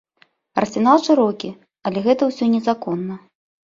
Арсенал шырокі, але гэта ўсё незаконна.